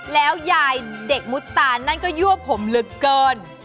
แล้วยายเด็กมุตานั่นก็ยั่วผมเหลือเกิน